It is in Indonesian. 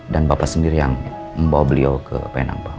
dan bapak sendiri yang membawa beliau ke penang pak